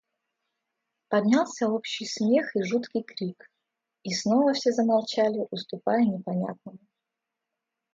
Поднялся общий смех и жуткий крик — и снова все замолчали, уступая непонятному.